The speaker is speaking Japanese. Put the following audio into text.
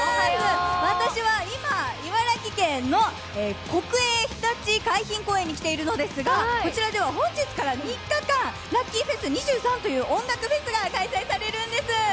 私は今、茨城県の国営ひたち海浜公園に来ているのですが、こちらでは本日から３日間ＬｕｃｋｙＦｅｓ’２３という音楽フェスが開催されるんです。